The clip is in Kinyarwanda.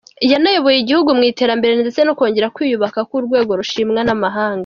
Yanayoboye igihugu mw’iterambere ndetse ko kongera kwiyubaka k’urwego rushimwa n’amahanga.